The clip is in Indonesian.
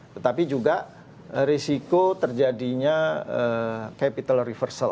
tetapi juga risiko terjadinya capital reversal